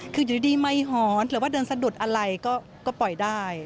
คืออยู่ดีไม่หอนหรือว่าเดินสะดุดอะไรก็ปล่อยได้